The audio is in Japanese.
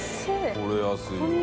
これ安いわ。